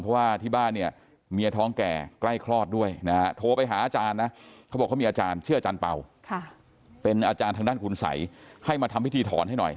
เพราะว่าที่บ้านเนี่ยเมียท้องแก่ใกล้คลอดด้วยนะฮะโทรไปหาอาจารย์นะเขาบอกเขามีอาจารย์เชื่ออาจารย์เป่าเป็นอาจารย์ทางด้านคุณสัยให้มาทำพิธีถอนให้หน่อย